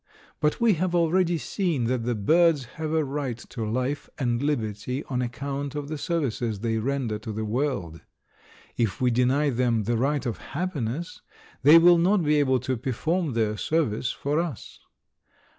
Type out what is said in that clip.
But we have already seen that the birds have a right to life and liberty on account of the services they render to the world. If we deny them the right of happiness they will not be able to perform their service for us.